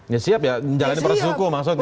ya siap ya menjalani proses hukum maksudnya